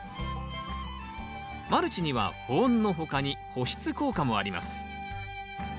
マルチには保温の他に保湿効果もあります。